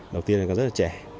đầu tiên là rất là trẻ